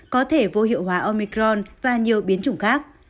có thể vô hiệu hóa omicron và nhiều biến chủng khác